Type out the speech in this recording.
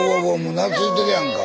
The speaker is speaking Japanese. もう懐いてるやんか。